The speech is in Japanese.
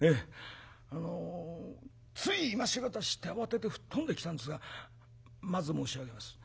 あのつい今し方知って慌てて吹っ飛んできたんですがまず申し上げます。